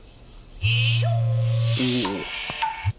おお。